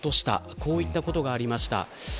こういったことがありました。